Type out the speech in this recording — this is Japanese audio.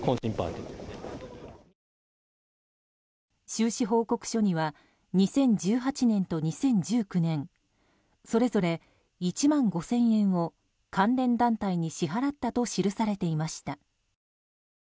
収支報告書には２０１８年と２０１９年それぞれ１万５０００円を関連団体に支払ったと記されていました。